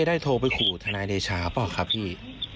ได้โทรไปขู่ทนายเดชาเปล่าครับพี่